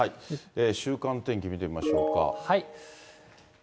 週間天気、見てみましょうか。